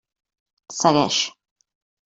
Segueix.